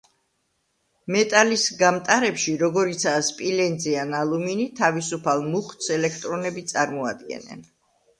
მეტალის გამტარებში, როგორიცაა სპილენძი ან ალუმინი თავისუფალ მუხტს ელექტრონები წარმოადგენენ.